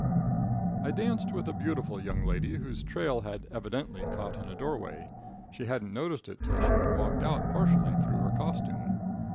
I danced with a beautiful young lady whose trail had evidently caught in a doorway. She hadn't noticed it till she had walked out partially through her costume.